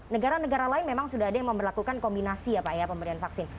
negara negara lain memang sudah ada yang memperlakukan kombinasi ya pak ya pemberian vaksin